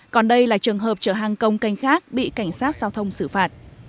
còn đây là trường hợp chở hàng công canh khác bị cảnh sát giao thông xử phạt